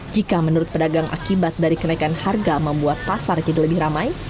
jika menurut pedagang akibat dari kenaikan harga membuat pasar jadi lebih ramai